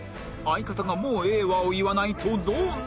相方が「もうええわ」を言わないとどうなる？